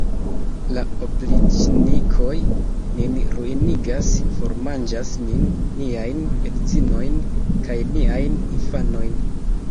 La opriĉnikoj nin ruinigas, formanĝas nin, niajn edzinojn kaj niajn infanojn!